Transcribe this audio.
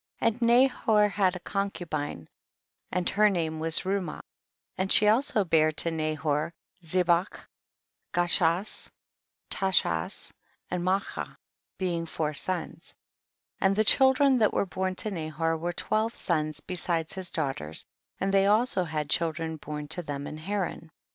18. And Nahor had a concubine and her name was Reumah, and she also bare to Nahor, Zebach, Ga chash, Tachash and Maacha, being four sons. 19. And the children that were born to Nahor were twelve sons be sides his daughters, and they also had children born to them in Haran.